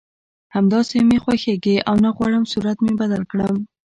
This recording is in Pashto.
همداسې مې خوښېږي او نه غواړم صورت مې بدل کړم